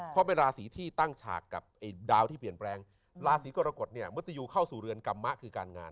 เพราะเป็นราศีที่ตั้งฉากกับดาวที่เปลี่ยนแปลงราศีกรกฎเนี่ยมุติยูเข้าสู่เรือนกรรมะคือการงาน